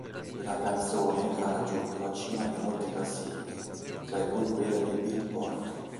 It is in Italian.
La canzone ha raggiunto la cima di molte classifiche, tra cui quella di Beatport.